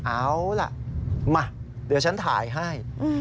เอาล่ะมาเดี๋ยวฉันถ่ายให้